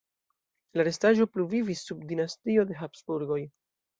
La restaĵo pluvivis sub dinastio de Habsburgoj.